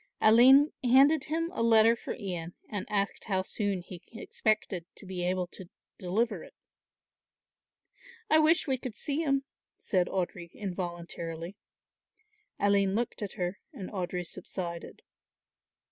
Aline handed him a letter for Ian and asked how soon he expected to be able to deliver it. "I wish we could see him," said Audry involuntarily. Aline looked at her and Audry subsided.